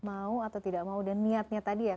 mau atau tidak mau dan niatnya tadi ya